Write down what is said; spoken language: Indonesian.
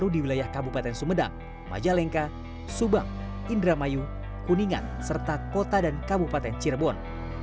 di wilayah kabupaten sumedang majalengka subang indramayu kuningan serta kota dan kabupaten cirebon